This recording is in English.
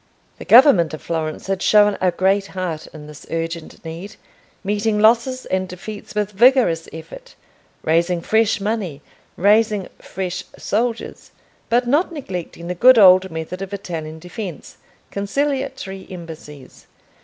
The government of Florence had shown a great heart in this urgent need, meeting losses and defeats with vigorous effort, raising fresh money, raising fresh soldiers, but not neglecting the good old method of Italian defence—conciliatory embassies.